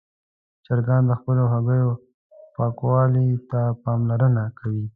چرګان د خپلو هګیو پاکوالي ته پاملرنه کوي.